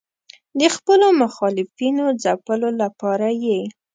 د خپلو مخالفینو ځپلو لپاره یې.